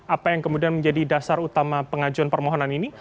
apa yang kemudian menjadi dasar utama pengajuan permohonan ini